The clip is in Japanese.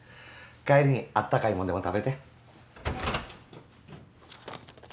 帰りに温かいもんでも食べて。